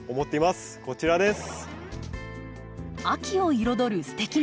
こちらです。